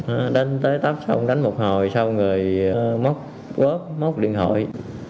nó đánh tới tắp xong đánh một hồi xong rồi móc quớp móc điện hội